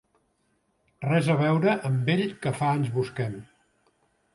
Res a veure amb ell que fa anys busquem.